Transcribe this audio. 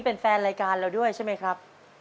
เป็นแฟนรายการเราด้วยใช่ไหมครับ